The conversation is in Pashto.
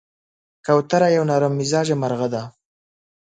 کوتره یو نرممزاجه مرغه ده.